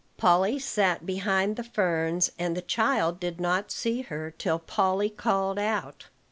Polly sat behind the ferns, and the child did not see her till Polly called out.